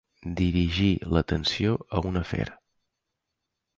Dirigir l'atenció a un afer.